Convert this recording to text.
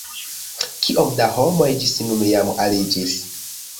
Kiom da homoj ĝis nun jam aliĝis?